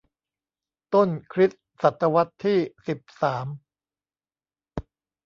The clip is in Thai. ต้นคริสต์ศตวรรษที่ สิบสาม